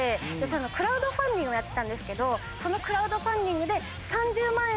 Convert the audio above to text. クラウドファンディングをやってたんですけどそのクラウドファンディングで３０万円支援した人に贈る贈呈品。